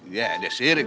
ya ada sirik